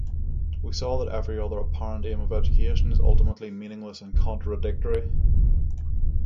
We saw that every other apparent aim of education is ultimately meaningless and contradictory.